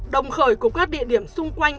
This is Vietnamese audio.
đồng khởi của các địa điểm xung quanh